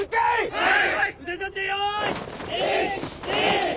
はい！